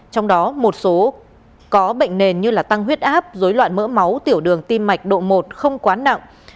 trong đó một số có bệnh nền như tăng huyết áp dối loạn mỡ máu tiểu đường tim mạch độ một không quá nặng